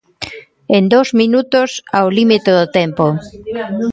En dous minutos, ao límite do tempo.